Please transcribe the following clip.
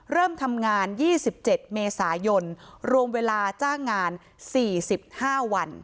เริ่มทำงาน๒๗เมษายนรวมเวลาจ้างงาน๔๕วัน